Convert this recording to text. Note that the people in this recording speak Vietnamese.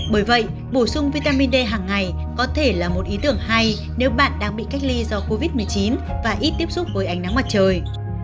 bởi vậy bổ sung vitamin d hàng ngày có thể là một ý tưởng hay nếu bạn đang bị cách ly do covid một mươi chín và ít tiếp xúc với ánh nắng mặt trời